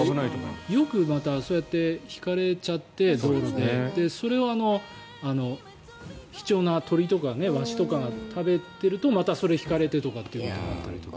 よくまたそうやって道路でひかれちゃってそれを貴重な鳥とかワシとかが食べているとまたそれがひかれてということがあったり。